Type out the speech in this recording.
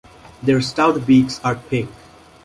Their stout beaks are pink.